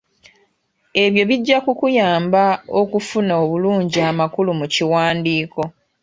Ebyo bijja kukuyamba okufuna obulungi amakulu mu kiwandiiko.